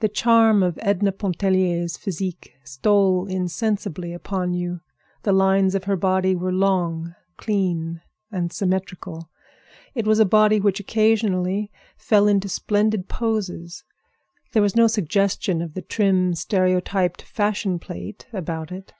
The charm of Edna Pontellier's physique stole insensibly upon you. The lines of her body were long, clean and symmetrical; it was a body which occasionally fell into splendid poses; there was no suggestion of the trim, stereotyped fashion plate about it.